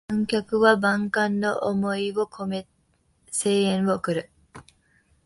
観客は万感の思いをこめ声援を送る